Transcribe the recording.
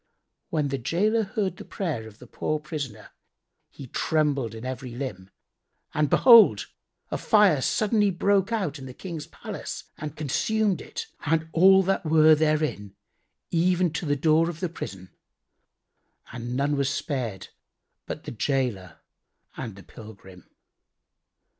When the gaoler heard the prayer of the poor prisoner he trembled in every limb, and behold, a fire suddenly broke out in the King's palace and consumed it and all that were therein, even to the door of the prison,[FN#88] and none was spared but the gaoler and the pilgrim.